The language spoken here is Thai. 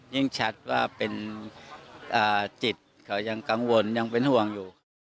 ยิ่งชัดว่าเป็นจิตเขายังกังวลยังเป็นห่วงอยู่